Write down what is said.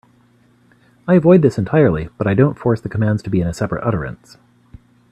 I avoid this entirely, but I don't force the commands to be in a separate utterance.